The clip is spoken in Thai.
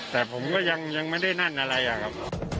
แต่ผมก็ยังไม่ได้นั่นอะไรอะครับ